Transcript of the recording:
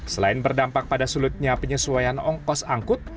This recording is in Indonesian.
selain berdampak pada sulitnya penyesuaian ongkos angkut